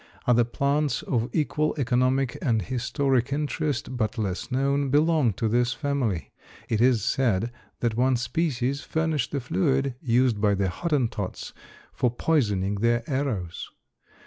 Other plants of equal economic and historic interest, but less known, belong to this family. It is said that one species furnished the fluid used by the Hottentots for poisoning their arrows.